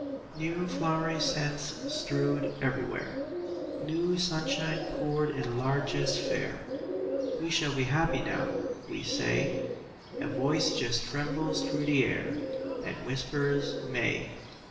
New flowery scents strewed everywhere, New sunshine poured in largesse fair, "We shall be happy now," we say. A voice just trembles through the air, And whispers, "May."